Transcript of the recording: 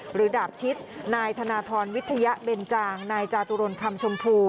ดาบชิดนายธนทรวิทยาเบนจางนายจาตุรนคำชมพู